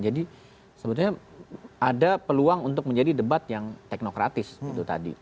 jadi sebetulnya ada peluang untuk menjadi debat yang teknokratis itu tadi